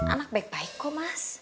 anak baik baik kok mas